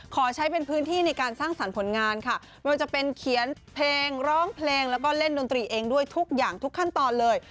ขอใช้เป็นพื้นที่ในการสร้างสรรค์ผลงานค่ะไม่ว่าจะเป็นเขียนเพลงร้องเพลงแล้วก็เล่นดนตรีเองด้วยทุกอย่างทุกขั้นตอนเลย